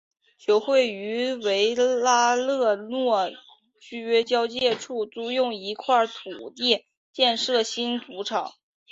球会于维拉勒若区交界处租用一块土地建立新主场。